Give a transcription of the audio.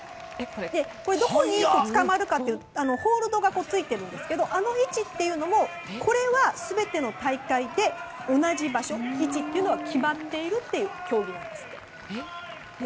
これどこにつかまるかというとホールドがついているんですがあの位置というのもこれは全ての大会で同じ場所位置というのは決まっているという競技なんだそうです。